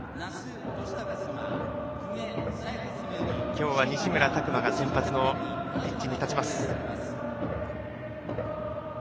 今日は西村拓真が先発のピッチに立ちます。